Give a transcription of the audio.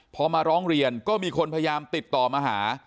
พอมาร้องเรียนก็มีคนพยายามติดต่อมาหา